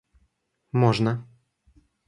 можно